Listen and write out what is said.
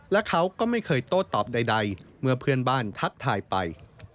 และเขาก็ไม่เคยโต้ตอบใดเมื่อเพื่อนบ้านทักทายไป